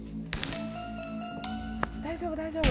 大丈夫大丈夫。